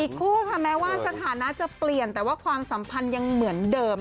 คู่ค่ะแม้ว่าสถานะจะเปลี่ยนแต่ว่าความสัมพันธ์ยังเหมือนเดิม